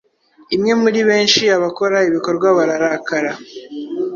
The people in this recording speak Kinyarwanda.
Imwe muri benshi abakora ibikorwa bararakara